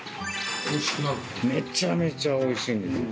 めちゃめちゃおいしいんですよ。